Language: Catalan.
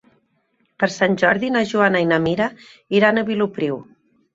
Per Sant Jordi na Joana i na Mira iran a Vilopriu.